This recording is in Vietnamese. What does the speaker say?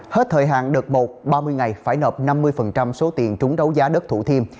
hết thời hạn đợt một ba mươi ngày phải nợ năm mươi số tiền trúng đấu giá đất thủ thiêm